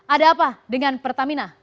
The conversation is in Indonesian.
ada apa dengan pertamina